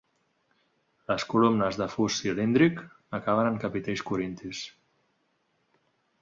Les columnes de fust cilíndric, acaben en capitells corintis.